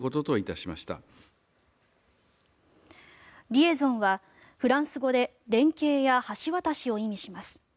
リエゾンは、フランス語で連携や橋渡しを意味します。